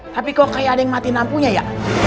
tapi kok kayak ada yang mati lampunya ya